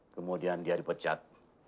kemudian dia dipecat